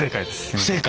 不正解？